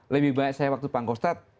lebih baik saya waktu pangkostad